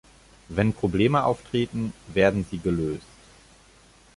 Wenn Probleme auftreten, werden sie gelöst.